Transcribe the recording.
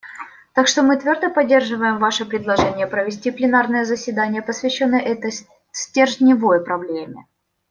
Так что мы твердо поддерживаем ваше предложение провести пленарное заседание, посвященное этой стержневой проблеме.